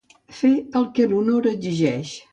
Fer el que l'honor exigeix.